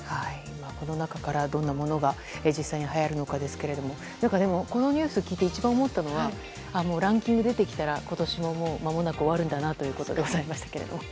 この中からどんなものが実際にはやるのかですがでも、このニュース聞いて一番思ったのはランキングが出てきたら今年もまもなく終わるんだなということでございますけども。